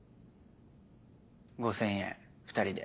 ５０００円２人で。